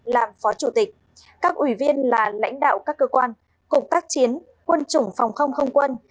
làm phó chủ tịch các ủy viên là lãnh đạo các cơ quan cục tác chiến quân chủng phòng không không quân